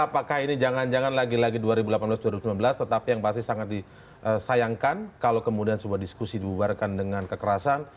apakah ini jangan jangan lagi lagi dua ribu delapan belas dua ribu sembilan belas tetapi yang pasti sangat disayangkan kalau kemudian sebuah diskusi dibubarkan dengan kekerasan